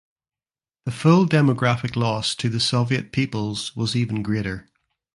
The full demographic loss to the Soviet peoples was even greater.